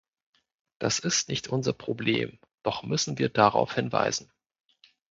Das ist nicht unser Problem, doch müssen wir darauf hinweisen.